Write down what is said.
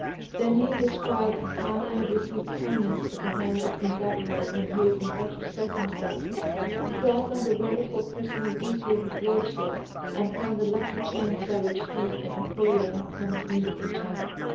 Then he described how he had received kindness at the hands of Genzaburô when he was in better circumstances, dwelt on the wonderful personal beauty of his lordship, and upon the lucky chance by which he and O Koyo had come to meet each other.